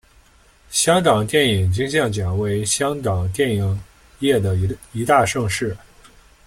香港电影金像奖为香港电影业的一大盛事。